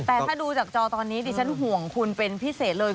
แต่ถ้าดูจากจอตอนนี้ดิฉันห่วงคุณเป็นพิเศษเลย